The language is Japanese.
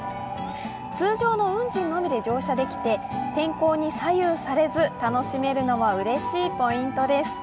通常の運賃のみで乗車できて天候に左右されず楽しめるのはうれしいポイントです。